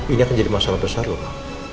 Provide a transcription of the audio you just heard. ini akan jadi masalah besar ma